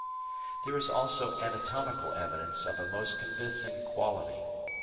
There is also anatomical evidence of a most convincing quality.